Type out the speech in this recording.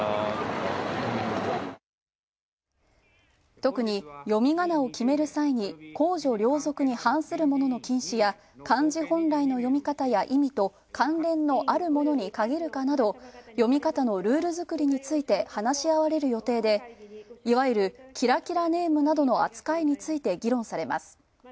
特に、読みがなを決める際に公序良俗に反するものの禁止や漢字本来の読み方や意味と関連のあるものに限るかなど読み方のルール作りについて話し合われる予定でいわゆるキラキラネームなどの扱いについて議論されます。